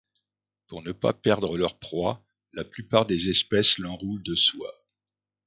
Pour ne pas perdre leur proies, la plupart des espèces l'enroulent de soie.